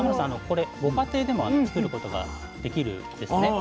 これご家庭でも作ることができるんですね。